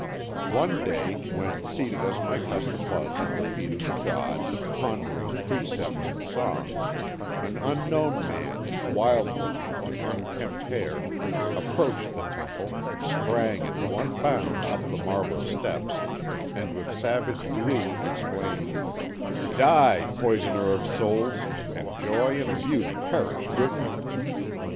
"One day, when seated as my custom was at the feet of the god, pondering precepts and songs, an unknown man, wild looking, with unkempt hair, approached the temple, sprang at one bound up the marble steps, and with savage glee exclaimed: "'Die, poisoner of souls, and joy and beauty perish with you.'